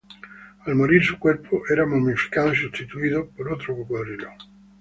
Al morir, su cuerpo era momificado y sustituido por otro cocodrilo.